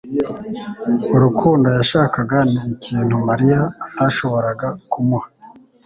Urukundo yashakaga ni ikintu Mariya atashoboraga kumuha.